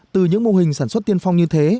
từ những mô hình sản xuất tiên phong như thế